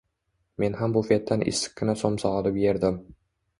Men ham bufetdan issiqqina somsa olib yerdim